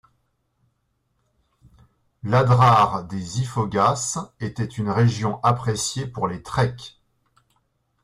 L'Adrar des Ifoghas était une région appréciée pour les treks.